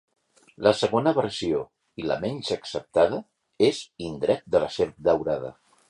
La segona versió i la menys acceptada és "indret de la serp daurada".